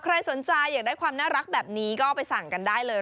ใครสนใจอยากได้ความน่ารักแบบนี้ก็ไปสั่งกันได้เลย